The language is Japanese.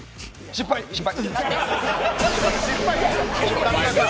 失敗、失敗。